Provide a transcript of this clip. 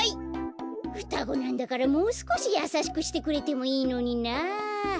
ふたごなんだからもうすこしやさしくしてくれてもいいのにな。